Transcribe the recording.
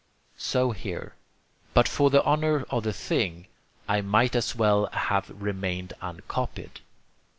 So here: but for the honor of the thing, I might as well have remained uncopied.